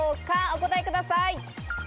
お答えください。